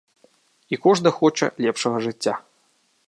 І кожны хоча лепшага жыцця.